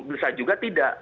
bisa juga tidak